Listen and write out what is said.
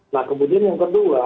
nah kemudian yang kedua